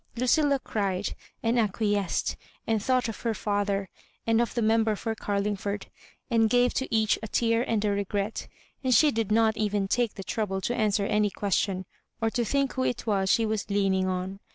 Lucilla cried, and acquiesced, and thought of her father, and of the Member for Oarlingford, and gave to each a tear and a regret; and she did not even take the trouble to answer any question, or to think who it was she was leaning on.